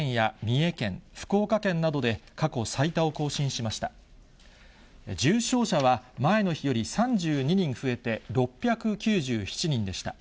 重症者は前の日より３２人増えて６９７人でした。